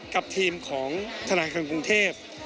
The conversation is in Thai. กับทีมของธนาคารกรุงเทพ